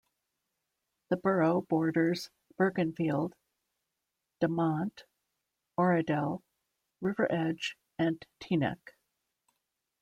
The borough borders Bergenfield, Dumont, Oradell, River Edge and Teaneck.